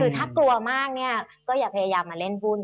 คือถ้ากลัวมากเนี่ยก็อย่าพยายามมาเล่นหุ้น